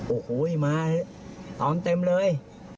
โอ้โหมาตอนเต็มเลย